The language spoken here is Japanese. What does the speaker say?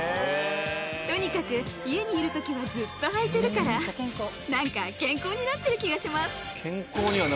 とにかく家にいるときはずっと履いてるから、なんか健康になってる気がします。